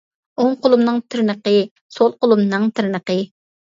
ئوڭ قولۇمنىڭ تىرنىقى، سول قولۇمنىڭ تىرنىقى.